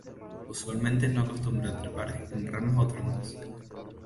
Usualmente no acostumbra trepar en ramas o troncos.